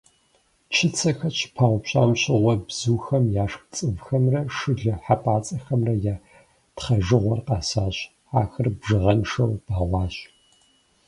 Чыцэхэр щыпаупщӏам щыгъуэ бзухэм яшх цӏывхэмрэ шылэ хьэпӏацӏэхэмрэ я тхъэжыгъуэр къэсащ, ахэр бжыгъэншэу бэгъуащ.